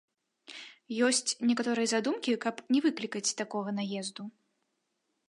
Ёсць некаторыя задумкі, каб не выклікаць такога наезду.